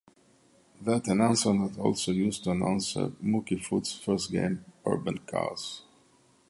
That announcement was also used to announce Muckyfoot's first game "Urban Chaos".